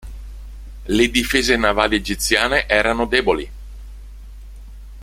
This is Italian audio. Le difese navali egiziane erano deboli.